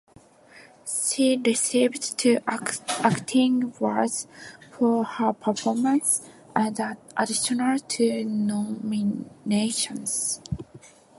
She received two acting awards for her performance, and an additional two nominations.